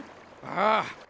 ああ。